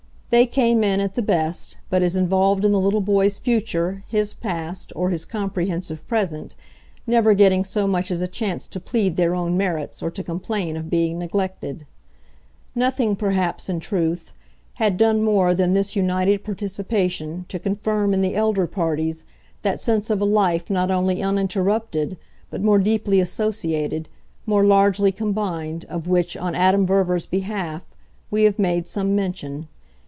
They came in, at the best, but as involved in the little boy's future, his past, or his comprehensive present, never getting so much as a chance to plead their own merits or to complain of being neglected. Nothing perhaps, in truth, had done more than this united participation to confirm in the elder parties that sense of a life not only uninterrupted but more deeply associated, more largely combined, of which, on Adam Verver's behalf, we have made some mention.